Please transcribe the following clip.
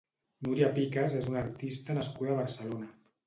Núria Picas és una artista nascuda a Barcelona.